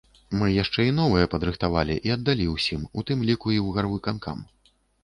Мы яшчэ і новыя падрыхтавалі і аддалі ўсім, у тым ліку і ў гарвыканкам.